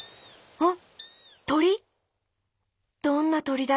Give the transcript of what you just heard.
あっ。